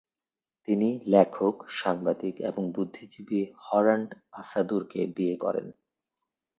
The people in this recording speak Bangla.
তিনি লেখক, সাংবাদিক এবং বুদ্ধিজীবী হরান্ট আসাদুরকে বিয়ে করেন।